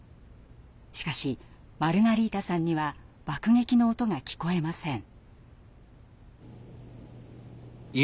しかしマルガリータさんには爆撃の音が聞こえません。